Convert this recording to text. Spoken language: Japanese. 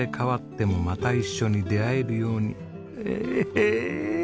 へえ！